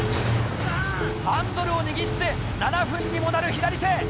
ハンドルを握って７分にもなる左手。